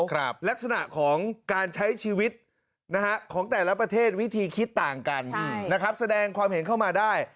มีนักศึงหนึ่งสามารถแสดงภาพเห็นขาวมาได้